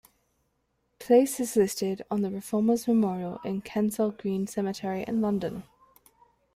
Place is listed on the Reformers Memorial in Kensal Green Cemetery in London.